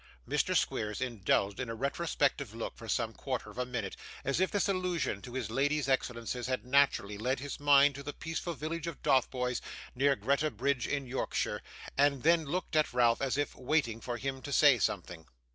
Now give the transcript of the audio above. Mr. Squeers indulged in a retrospective look, for some quarter of a minute, as if this allusion to his lady's excellences had naturally led his mind to the peaceful village of Dotheboys near Greta Bridge in Yorkshire; and then looked at Ralph, as if waiting for him to say something.